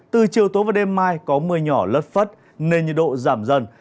từ chiều tối và đêm mai có mưa nhỏ lất phất nên nhiệt độ giảm dần